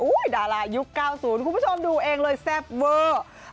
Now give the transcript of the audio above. ดารายุค๙๐คุณผู้ชมดูเองเลยแซ่บเวอร์